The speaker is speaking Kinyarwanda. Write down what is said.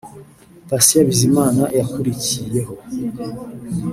Patient Bizimana yakurikiyeho